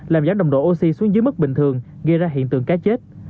làm giảm nồng độ oxy xuống dưới mức bình thường gây ra hiện tượng cá chết